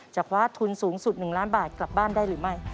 คว้าทุนสูงสุด๑ล้านบาทกลับบ้านได้หรือไม่